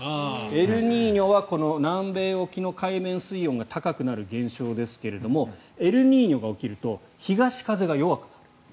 エルニーニョは、この南米沖の海面水温が高くなる現象ですがエルニーニョが起きると東風が弱くなる。